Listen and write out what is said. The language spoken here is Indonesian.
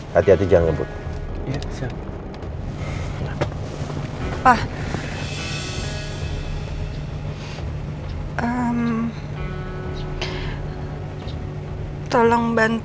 hati hati jangan ngebut